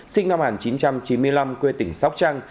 sinh năm một nghìn chín trăm chín mươi năm quê tỉnh sóc trăng